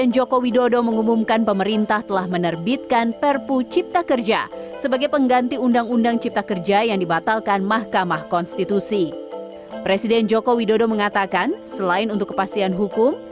presiden joko widodo mengatakan selain untuk kepastian hukum